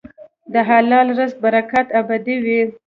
د حلال رزق برکت ابدي وي.